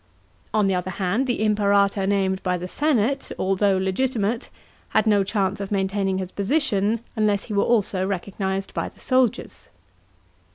On the other hand the Imperator named by the senate, although legitimate, had no chance of maintaining his position unless he were also recog nised by the soldiers.